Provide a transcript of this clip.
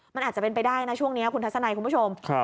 มันอาจจะเป็นไปได้นะช่วงนี้คุณทัศนัยคุณผู้ชม